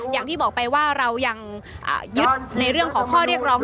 อย่างที่บอกไปว่าเรายังยึดในเรื่องของข้อเรียกร้อง